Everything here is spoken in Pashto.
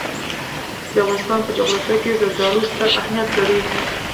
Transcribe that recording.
د افغانستان په جغرافیه کې زردالو ستر اهمیت لري.